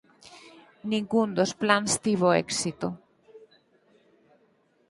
Ningún dos plans tivo éxito.